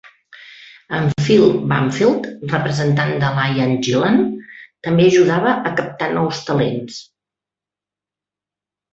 En Phil Banfield, representant de l'Ian Gillan, també ajudava a captar nous talents.